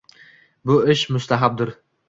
Bu ish mustahabdir.